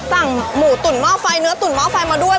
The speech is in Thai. สั่งหมูตุ๋นหม้อไฟเนื้อตุ๋นหม้อไฟมาด้วย